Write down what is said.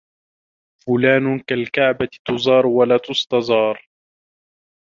فلان كالكعبة تُزارُ ولا تُسْتَزارُ